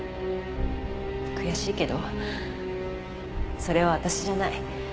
悔しいけどそれは私じゃない。